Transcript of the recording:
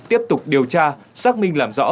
tiếp tục điều tra xác minh làm rõ